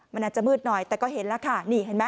มันอาจจะมืดหน่อยแต่ก็เห็นละค่า